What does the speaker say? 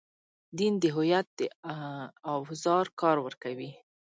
دین د هویت د اوزار کار ورکوي.